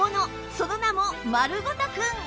その名も「まるごとくん」！